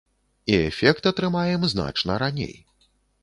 І эфект атрымаем значна раней.